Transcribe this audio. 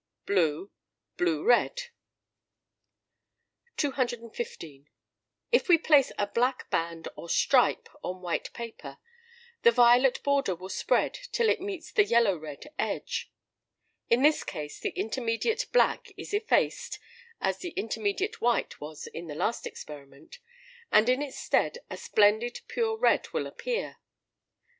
Blue. Blue red. 215. If we place a black band, or stripe, on white paper, the violet border will spread till it meets the yellow red edge. In this case the intermediate black is effaced (as the intermediate white was in the last experiment), and in its stead a splendid pure red will appear.